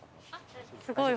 すごい。